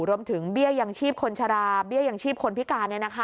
รวมถึงเบี้ยยังชีพคนชราบเบี้ยยังชีพคนพิการ